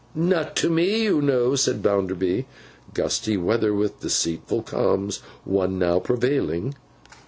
'Not to me, you know,' said Bounderby. (Gusty weather with deceitful calms. One now prevailing.)